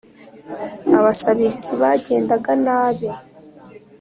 abasabirizi bagendaga nabi